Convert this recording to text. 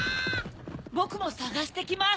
ぼくもさがしてきます。